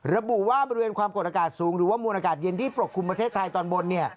ระบุว่าบริเวณความกดอากาศสูงหรือว่ามวลอากาศเย็นที่ปกคลุมประเทศไทยตอนบน